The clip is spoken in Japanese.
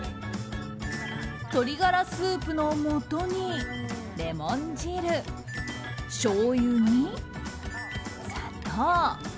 鶏ガラスープのもとに、レモン汁しょうゆに、砂糖。